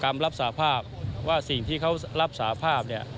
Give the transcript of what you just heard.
การรับสารภาพว่าสิ่งที่เขารับสารภาพ